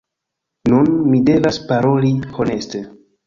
Nun, mi devas paroli honeste: